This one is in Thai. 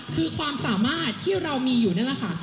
คือความสามารถที่เรามีอยู่นั่นแหละค่ะ